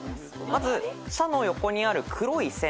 まず「しゃ」の横にある黒い線。